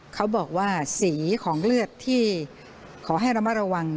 เขาบอกว่าสีของเลือดที่ขอให้ระมัดระวัง